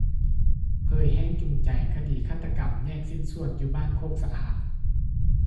ເຜີຍແຮງຈູງໃຈຄະດີຄາດຕະກໍາແຍກຊີ້ນສ່ວນ ຢູ່ບ້ານໂຄກສະອາດ